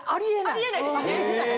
あり得ないですよね。